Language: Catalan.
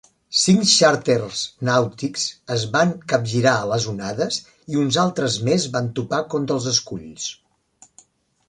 Cinc xàrters nàutics es van capgirar a les onades i uns altres més van topar contra els esculls.